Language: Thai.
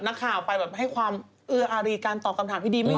นักข่าวไปแบบให้ความเอื้ออารีการตอบคำถามที่ดีไม่ดี